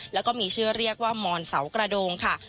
แล้วก็มีชื่อเรียกว่ามอนเสากระโดงค่ะ